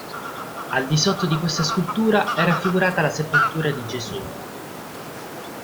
Al di sotto di questa scultura è raffigurata la sepoltura di Gesù.